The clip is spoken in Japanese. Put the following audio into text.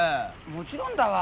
もちろんだわ。